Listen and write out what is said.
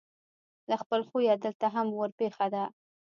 له خپل خویه دلته هم ورپېښه ده.